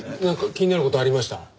なんか気になる事ありました？